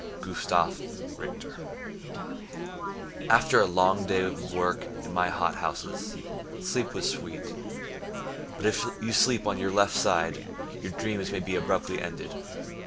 Gustav Richter After a long day of work in my hot—houses Sleep was sweet, but if you sleep on your left side Your dreams may be abruptly ended.